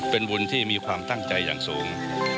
เป็นบุญที่มีความตั้งใจอย่างสูง